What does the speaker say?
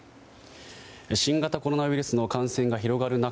新型コロナウイルスの感染が広がる中